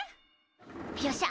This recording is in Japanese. よっしゃ！